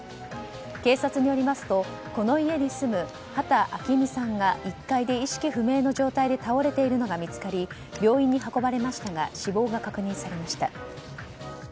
警察によりますとこの家に住む畑昭生さんが１階で意識不明の状態で倒れているのが見つかり病院に運ばれましたが死亡が確認されました。